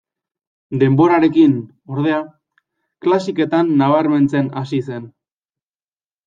Denborarekin, ordea, klasiketan nabarmentzen hasi zen.